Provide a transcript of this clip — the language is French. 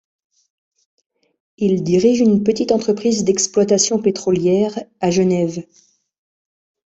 Il dirige une petite entreprise d'exploitation pétrolière à Genève.